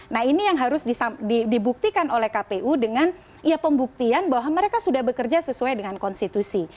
nah ini yang harus dibuktikan oleh kpu dengan ya pembuktian bahwa mereka sudah bekerja sesuai dengan konstitusi